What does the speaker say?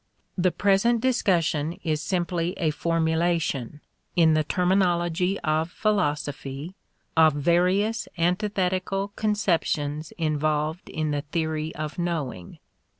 The present discussion is simply a formulation, in the terminology of philosophy, of various antithetical conceptions involved in the theory of knowing.